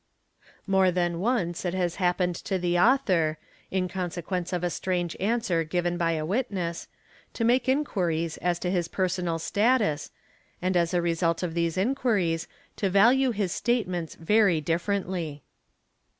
More than once it has happened to the auther, in consequence of a strange answer given by a witness, to make enquiries as to his personal status, and as a result of these enquiries to value his statements very FP differently.